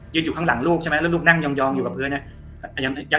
ยืดอยู่ข้างหลังลูกใช่มั้ยลูกนั่งยองอยู่กับเพื่อนน่ะอย่าง